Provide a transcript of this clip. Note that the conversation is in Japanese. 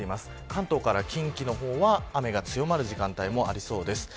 関東から近畿の方は雨が強まってくる時間帯もありそうです。